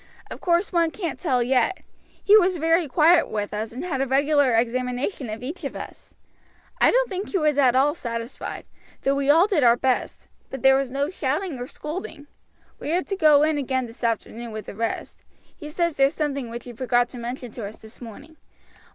"Of course one can't tell yet. He was very quiet with us and had a regular examination of each of us. I don't think he was at all satisfied, though we all did our best, but there was no shouting or scolding. We are to go in again this afternoon with the rest. He says there's something which he forgot to mention to us this morning."